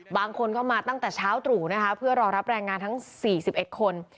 บางคนก็มาตั้งแต่เช้าตรู่นะคะเพื่อรอรับแรงงานทั้ง๔๑คน